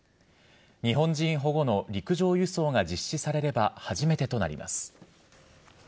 日本人保護の陸上輸送が実施されれば初めてとなります。